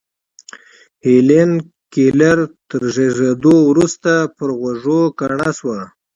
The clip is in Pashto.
هېلېن کېلر تر زېږېدو وروسته پر غوږو کڼه شوه